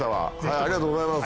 ありがとうございます。